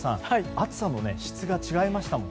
暑さの質が違いましたもん。